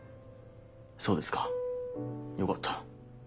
そうですかよかった。